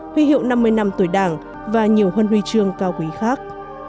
huy hiệu năm mươi năm tuổi đảng và nhiều huân huy chương cao quý khác